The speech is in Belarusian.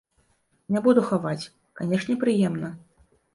Не буду хаваць, канешне прыемна.